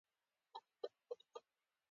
غوماشې د ماشومو ژړا سبب ګرځي.